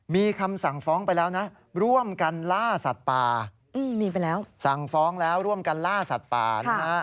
มีคำสั่งฟ้องไปแล้วนะร่วมกันล่าสัตว์ป่ามีไปแล้วสั่งฟ้องแล้วร่วมกันล่าสัตว์ป่านะฮะ